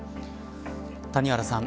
谷原さん。